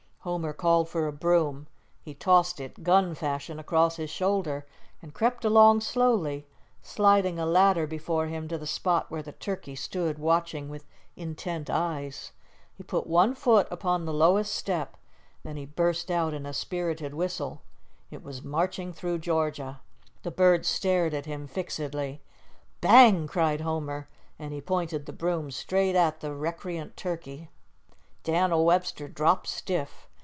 Homer called for a broom. He tossed it, gun fashion, across his shoulder, and crept along slowly, sliding a ladder before him to the spot where the turkey stood watching with intent eyes. He put one foot upon the lowest step, then he burst out in a spirited whistle. It was "Marching through Georgia." The bird stared at him fixedly. "Bang!" cried Homer, and he pointed the broom straight at the recreant turkey. Dan'l Webster dropped stiff.